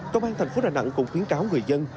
công an thành phố đà nẵng cũng khuyến cáo người dân